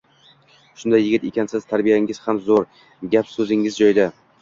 --Shunday yigit ekansiz, tarbiyangiz ham zoʻr, gap soʻzingiz joyida